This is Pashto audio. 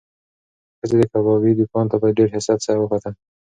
ښځې د کبابي دوکان ته په ډېر حسرت سره وکتل.